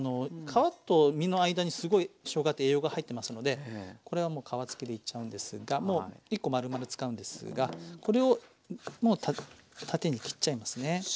皮と実の間にすごいしょうがって栄養が入ってますのでこれはもう皮付きでいっちゃうんですがもう１コまるまる使うんですがこれをもう縦に切っちゃいますね。